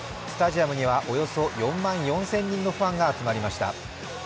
スタジアムにはおよそ４万４０００人のファンが集まりました。